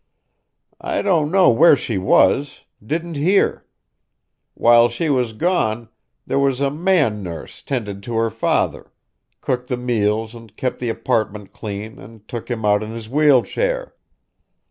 "I don't know where she was didn't hear. While she was gone, there was a man nurse 'tended to her father cooked the meals and kept the apartment clean and took him out in his wheel chair.